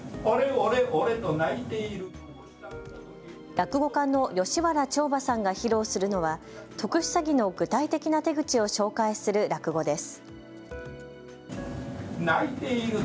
落語家の吉原朝馬さんが披露するのは特殊詐欺の具体的な手口を紹介する落語です。